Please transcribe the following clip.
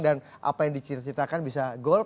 dan apa yang diceritakan bisa goal